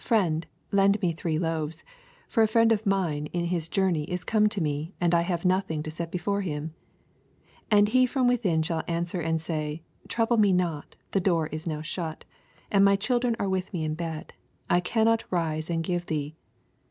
Friend^ lend me three loaves ; 6 For a friend of mine in his jour ney is come to me, and I have nothing to set before him ? 7 And he from within shall answer 9nd say, Trouble me not : the door is now shut, and my children are with me in bed ; I cannot rise and give thee.